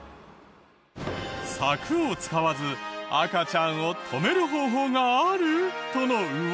柵を使わず赤ちゃんを止める方法があるとのウワサ。